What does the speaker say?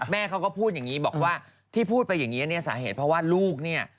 แม่เขาก็พูดอย่างนี้บอกว่าที่พูดไปอย่างนี้เนี่ยสาเหตุเพราะว่าลูกเนี่ย